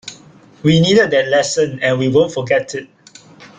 We needed that lesson, and we won't forget it.